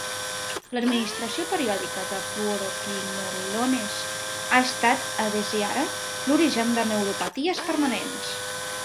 L'administració periòdica de fluoroquinolones ha estat, adesiara, l'origen de neuropaties permanents.